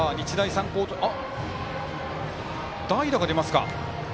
代打が出ますか。